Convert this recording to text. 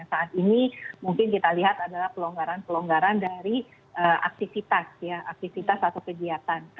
saat ini mungkin kita lihat adalah pelonggaran pelonggaran dari aktivitas ya aktivitas atau kegiatan